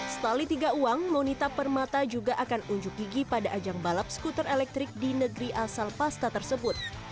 setali tiga uang monita permata juga akan unjuk gigi pada ajang balap skuter elektrik di negeri asal pasta tersebut